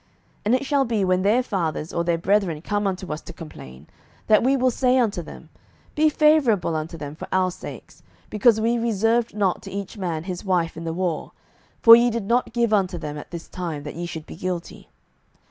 07:021:022 And it shall be, when their fathers or their brethren come unto us to complain, that we will say unto them, Be favourable unto them for our sakes: because we reserved not to each man his wife in the war: for ye did not give unto them at this time, that ye should be guilty.